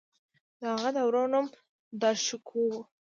د هغه د ورور نوم داراشکوه و.